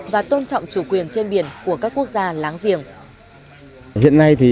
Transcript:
và tôn trọng chủ quyền trên biển của các quốc gia láng giềng